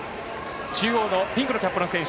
中央のピンクのキャップの選手。